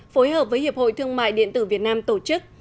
phối hợp với hiệp hội thương mại điện tử việt nam tổ chức